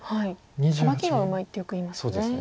サバキがうまいってよく言いますよね。